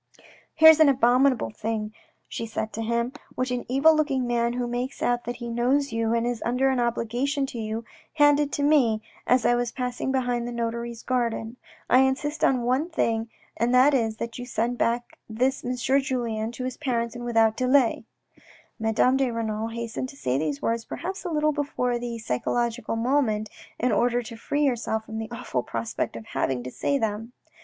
" Here's an abominable thing," she said to him, " which an evil looking man who makes out that he knows you and is under an obligation to you, handed to me as I was passing behind the notary's garden. I insist on one thing and that is that you send back this M. Julien to his parents and without delay." Madame de Renal hastened to say these words, perhaps a little before the psychological moment, in order to free herself from the awful prospect of having to say them.